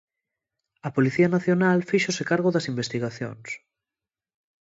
A Policía Nacional fíxose cargo das investigacións.